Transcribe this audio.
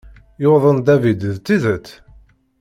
Yuḍen David, d tidet?